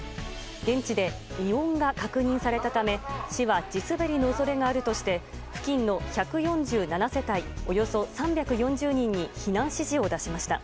現地で異音が確認されたため市は地滑りの恐れがあるとして付近の１４７世帯およそ３４０人に避難指示を出しました。